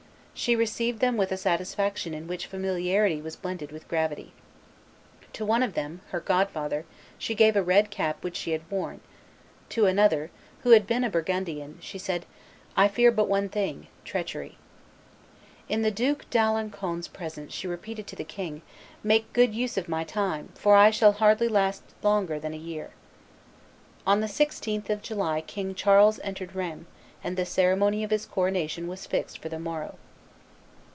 She received them with a satisfaction in which familiarity was blended with gravity. To one of them, her godfather, she gave a red cap which she had worn; to another, who had been a Burgundian, she said, "I fear but one thing treachery." In the Duke d'Alencon's presence she repeated to the king, "Make good use of my time, for I shall hardly last longer than a year." On the 16th of July King Charles entered Rheims, and the ceremony of his coronation was fixed for the morrow.